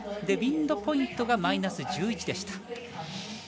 ウインドポイントがマイナス１１でした。